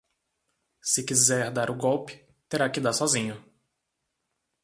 Se quiser dar o golpe, terá que dar sozinho